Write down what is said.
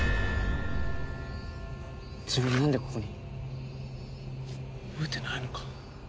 自分なんでここに？覚えてないのか？